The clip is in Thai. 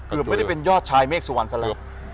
เกือบไม่ได้เป็นยอดชายเมฆสวรรค์สันติ์